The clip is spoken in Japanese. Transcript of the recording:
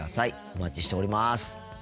お待ちしております。